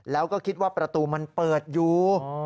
แล้วก็คิดว่าประตูมันเปิดอยู่